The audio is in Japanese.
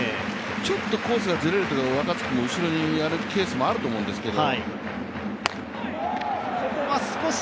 ちょっとコースがずれると、若月も後ろにやるケースもあると思うんですけど。